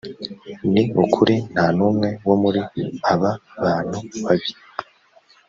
ni ukuri nta n umwe wo muri aba bantu babi